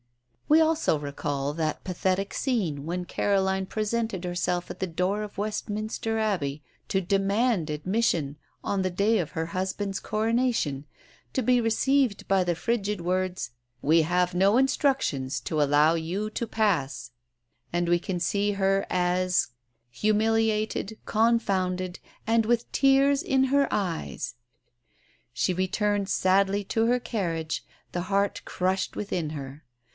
We also recall that pathetic scene when Caroline presented herself at the door of Westminster Abbey to demand admission, on the day of her husband's coronation, to be received by the frigid words, "We have no instructions to allow you to pass"; and we can see her as, "humiliated, confounded, and with tears in her eyes," she returned sadly to her carriage, the heart crushed within her.